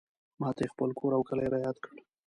ماته یې خپل کور او کلی رایاد کړ.